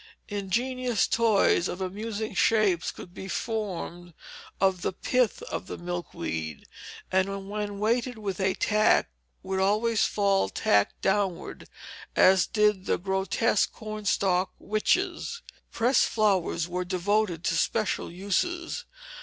Ingenious toys of amusing shapes could be formed of the pith of the milkweed, and when weighted with a tack would always fall tack downward, as did the grotesque corn stalk witches. Pressed flowers were devoted to special uses.